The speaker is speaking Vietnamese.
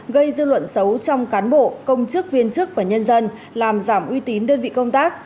gây dư luận xấu trong cán bộ công chức viên chức và nhân dân làm giảm uy tín đơn vị công tác